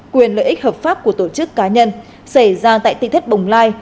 quyền lợi ích hợp pháp của tổ chức cá nhân xảy ra tại tỉnh thết bồng lai